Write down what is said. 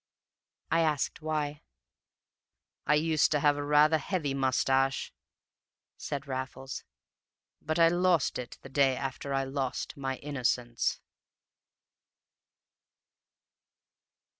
I asked him why. "I used to have rather a heavy moustache," said Raffles, "but I lost it the day after I lost my innocence."